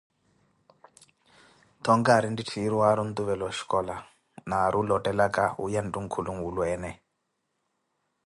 Thonki ari nttitthiru waari ontuvela oshicola naari olothelaka wiya nthunkulu nwulweene.